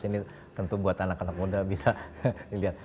ini tentu buat anak anak muda bisa dilihat